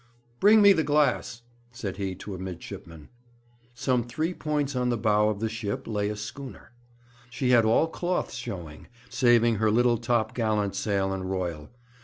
'Bring me the glass,' said he to a midshipman. Some three points on the bow of the ship lay a schooner. She had all cloths showing, saving her little top gallant sail and royal.